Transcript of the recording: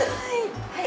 はい。